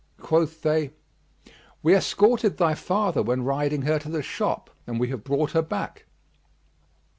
Quoth they, "We escorted thy father when riding her to the shop, and we have brought her back."